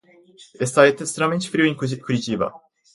Está extremamente frio em Curitiba